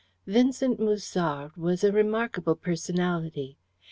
Vincent Musard was a remarkable personality.